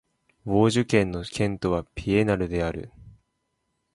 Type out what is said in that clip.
ヴォージュ県の県都はエピナルである